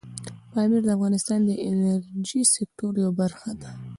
پامیر د افغانستان د انرژۍ سکتور یوه برخه ده.